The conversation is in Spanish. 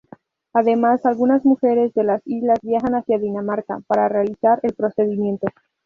Además, algunas mujeres de las islas viajan hacia Dinamarca, para realizar el procedimiento.